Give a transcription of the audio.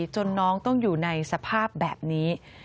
จนน้องต้องอยู่ในสภาพแบบนี้